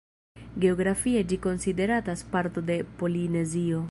Geografie ĝi konsideratas parto de Polinezio.